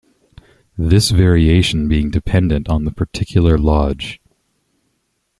This variation being dependent on the particular lodge.